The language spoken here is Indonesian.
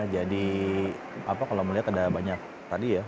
jadi apa kalau melihat ada banyak tadi ya